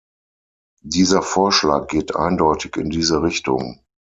Dieser Vorschlag geht eindeutig in diese Richtung.